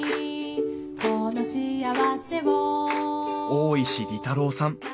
大石利太郎さん。